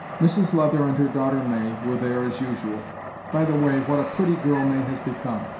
Mrs Leather and her daughter May were then as usual. By the way, what a pretty girl May has become!